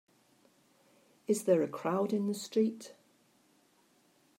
Is there a crowd in the street?